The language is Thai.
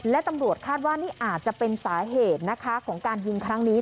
และตำรวจคาดว่านี่อาจจะเป็นสาเหตุนะคะของการยิงครั้งนี้